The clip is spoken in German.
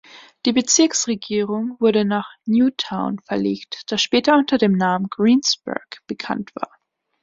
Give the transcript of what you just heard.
Die Bezirksregierung wurde nach Newtown verlegt, das später unter dem Namen Greensburg bekannt war.